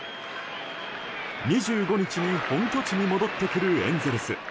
２５日に本拠地に戻ってくるエンゼルス。